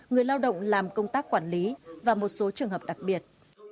người lao động làm công tác quản lý và một số trường hợp đặc biệt